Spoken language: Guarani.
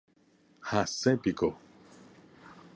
hasẽpiko